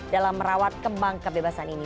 dalam merawat kembang kebebasan ini